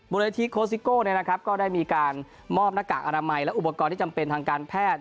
เลขที่โคสิโก้ก็ได้มีการมอบหน้ากากอนามัยและอุปกรณ์ที่จำเป็นทางการแพทย์